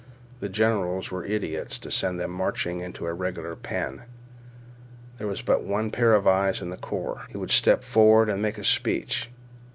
The generals were idiots to send them marching into a regular pen. There was but one pair of eyes in the corps. He would step forth and make a speech.